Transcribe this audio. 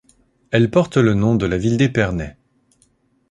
Elle porte le nom de la ville d'Épernay.